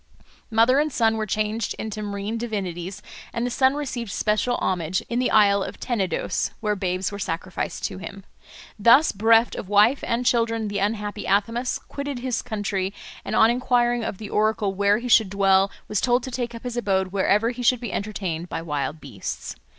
Mother and son were changed into marine divinities, and the son received special homage in the isle of Tenedos, where babes were sacrificed to him. Thus bereft of wife and children the unhappy Athamas quitted his country, and on enquiring of the oracle where he should dwell was told to take up his abode wherever he should be entertained by wild beasts.